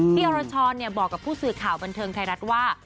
อรชรบอกกับผู้สื่อข่าวบันเทิงไทยรัฐว่า